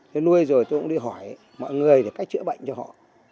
thì nuôi rồi tôi cũng đi hỏi mọi người cách chữa bệnh cho họ